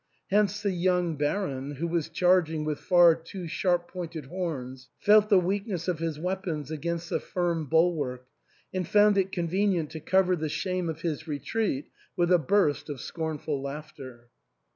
Hence the 3'oung Baron, who was charging with far two sharp pointed horns, felt the weakness of his weapons against the firm bulwark, and found it con venient to cover the shame of his retreat with a burst of scornful laughter.